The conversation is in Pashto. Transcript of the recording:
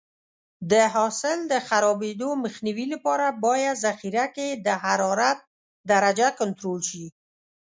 د حاصل د خرابېدو مخنیوي لپاره باید ذخیره کې د حرارت درجه کنټرول شي.